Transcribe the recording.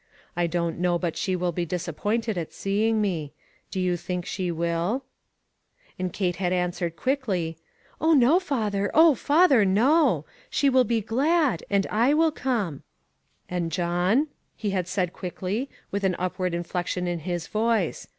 I don't know but she will be disappointed at seeing me; do you think she will ?" And Kate had answered quickly: " Oh, no, father ; oh, father, no ! She will be glad, and I will come.'' ONE COMMONPLACE DAY. "And John?" he had said quickly, with an upward inflection in his voice.